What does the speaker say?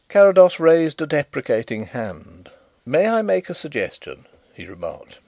Carrados raised a deprecating hand. "May I make a suggestion?" he remarked.